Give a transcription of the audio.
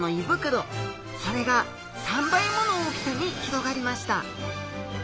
それが３倍もの大きさに広がりました。